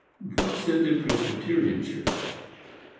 What said the Presbyterian Church?